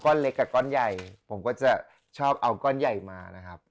เล็กกับก้อนใหญ่ผมก็จะชอบเอาก้อนใหญ่มานะครับ